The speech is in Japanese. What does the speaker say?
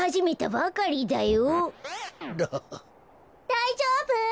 だいじょうぶ？